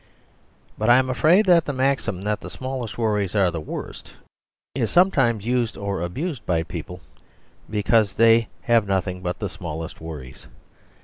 But I am afraid that the maxim that the smallest worries are the worst is sometimes used or abused by people, because they have nothing but the very smallest worries.